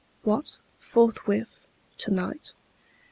What! forthwith? tonight?